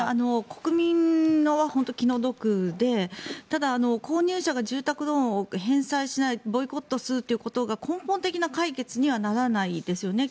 国民は本当に気の毒でただ、購入者が住宅ローンを返済しないボイコットするということが根本的な解決にはならないですよね。